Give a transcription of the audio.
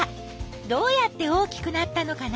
どうやって大きくなったのかな？